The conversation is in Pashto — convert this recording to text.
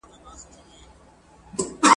ټول وجود یې په لړزه وي او ویریږي !.